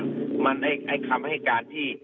ตัวมันได้ให้คำให้การที่